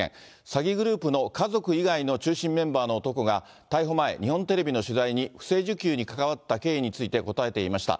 詐欺グループの家族以外の中心メンバーの男が、逮捕前、日本テレビの取材に不正受給に関わった経緯について答えていました。